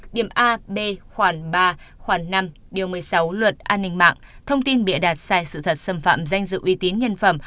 điểm a d khoảng ba khoảng năm điều một mươi sáu luật an ninh mạng thông tin bịa đặt sai sự thật xâm phạm danh dự uy tín nhân phẩm